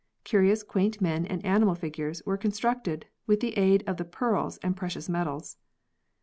Curious, quaint men and animal figures were con structed with the aid of the pearls and precious metals.